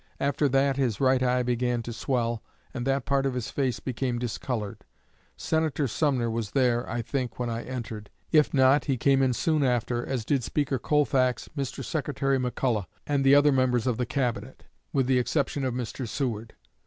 After that, his right eye began to swell and that part of his face became discolored ... Senator Sumner was there, I think, when I entered. If not, he came in soon after, as did Speaker Colfax, Mr. Secretary McCulloch, and the other members of the Cabinet, with the exception of Mr. Seward.